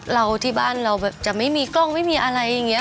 เราที่บ้านเราแบบจะไม่มีกล้องไม่มีอะไรอย่างนี้